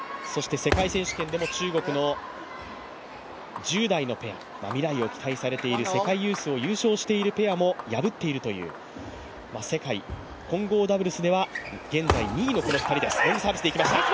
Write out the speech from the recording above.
世界選手権でも中国の１０代のペア未来を期待されている世界ユースを優勝しているペアも破っているという世界混合ダブルスでは現在２位の、この２人です。